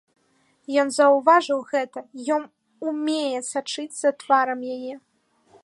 Ён заўважыў гэта, ён умее сачыць за тварам яе.